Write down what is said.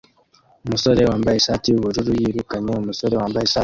Umusore wambaye ishati yubururu yirukanye umusore wambaye ishati